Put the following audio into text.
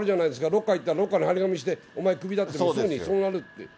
ロッカー行ったら、ロッカーに貼り紙してあって、お前クビだって、すぐにそうなるって。